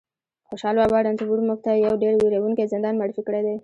خوشحال بابا رنتنبور موږ ته یو ډېر وېروونکی زندان معرفي کړی دی